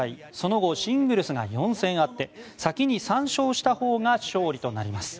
後シングルスが４戦あって先に３勝したほうが勝利となります。